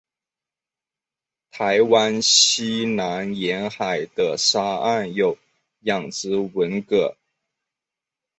台湾西南沿海的沙岸有养殖文蛤。